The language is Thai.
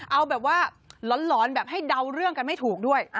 เอาแบบว่าหลอนแบบให้เดาเรื่องกันไม่ถูกด้วย